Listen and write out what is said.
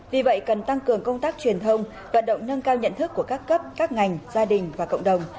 vì vậy cần tăng cường công tác truyền thông vận động nâng cao nhận thức của các cấp các ngành gia đình và cộng đồng